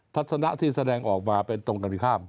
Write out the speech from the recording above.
ทัศนะที่แสดงออกมาเป็นตรงกันที่ข้าม